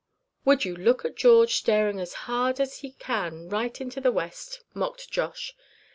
"Would you look at George, starin' as hard as he can right into the west?" mocked Josh.